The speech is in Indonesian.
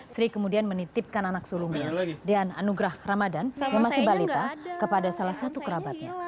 sri kemudian menitipkan anak sulungnya dean anugrah ramadan yang masih balita kepada salah satu kerabatnya